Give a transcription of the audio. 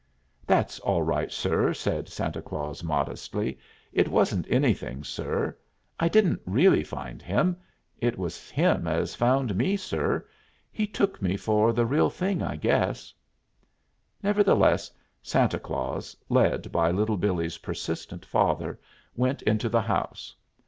"That's all right, sir," said Santa Claus modestly. "It wasn't anything, sir. I didn't really find him it was him as found me, sir. He took me for the real thing, I guess." Nevertheless, Santa Claus, led by Little Billee's persistent father, went into the house.